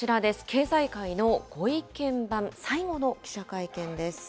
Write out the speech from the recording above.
経済界のご意見番、最後の記者会見です。